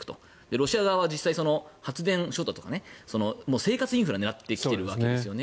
ロシア側は発電所とか生活インフラを狙っているわけですね。